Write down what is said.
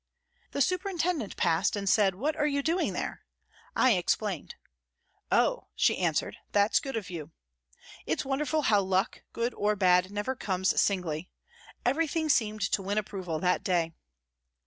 The superintendent passed and said, " What are you doing there ?" I explained. " Oh !" she answered, " That's good of you." It's wonderful how luck, FROM THE CELLS 177 good or bad, never comes singly. Everything seemed to win approval that day.